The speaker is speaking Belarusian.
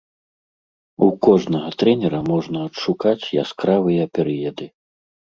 У кожнага трэнера можна адшукаць яскравыя перыяды.